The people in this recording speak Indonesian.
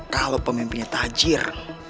kalau pemimpinnya tajir